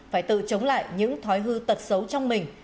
phải tự chống lại những thói hư tật xấu trong mình